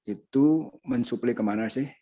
itu mensuplai kemana sih